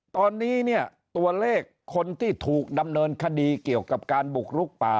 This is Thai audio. ตอนนี้เนี่ยตัวเลขคนที่ถูกดำเนินคดีเกี่ยวกับการบุกลุกป่า